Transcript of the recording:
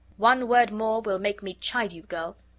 "One word more will make me chide you, girl!